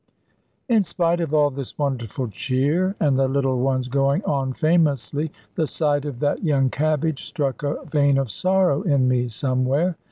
In spite of all this wonderful cheer, and the little ones going on famously, the sight of that young cabbage struck a vein of sorrow in me somewhere.